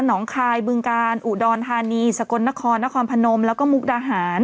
น้องคายบึงกาลอุดรธานีสกลนครนครพนมแล้วก็มุกดาหาร